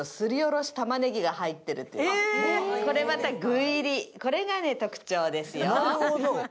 これまた具入り、これまた特徴ですよ。